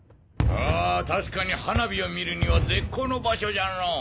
ああ確かに花火を見るには絶好の場所じゃのぉ！